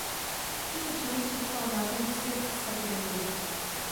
Tyto činy připsal náboženské podstatě režimu.